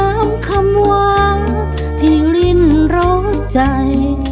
น้ำคำว่าที่ลิ้นร้องใจ